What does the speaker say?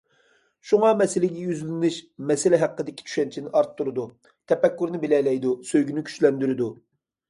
شۇڭا مەسىلىگە يۈزلىنىش مەسلەك ھەققىدىكى چۈشەنچىنى ئارتتۇرىدۇ، تەپەككۇرنى بىلەيدۇ، سۆيگۈنى كۈچلەندۈرىدۇ.